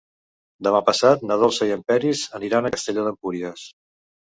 Demà passat na Dolça i en Peris aniran a Castelló d'Empúries.